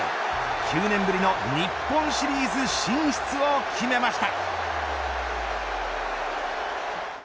９年ぶりの日本シリーズ進出を決めました。